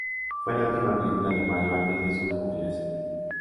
Fue la última película de Mayo antes de su jubilación.